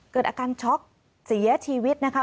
เกิดอาการช็อกเสียชีวิตนะคะ